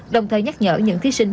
đồng thời nhắc nhở những thí sinh